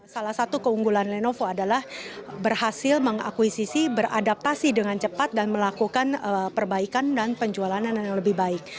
salah satu keunggulan lenovo adalah berhasil mengakuisisi beradaptasi dengan cepat dan melakukan perbaikan dan penjualan yang lebih baik